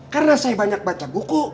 karena saya banyak baca buku